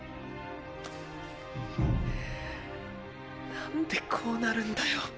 なんでこうなるんだよ。